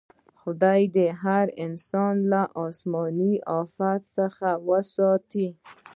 خدای دې هر انسان له اسماني افت څخه وساتي.